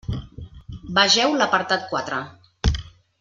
Vegeu l'apartat quatre.